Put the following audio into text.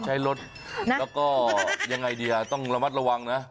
ใช้รถแล้วก็ยังไงดีต้องระมัดระวังนะ